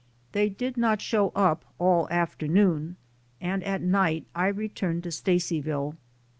They did not show up all afternoon and at night I returned to Stacy ville.